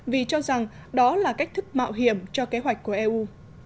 vì cho rằng đó là cách thức mạo hiểm cho kế hoạch của eu